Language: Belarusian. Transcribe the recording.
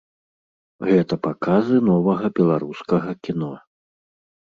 Гэта паказы новага беларускага кіно.